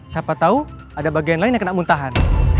siapa tahu ada bagian lain yang kena muntahan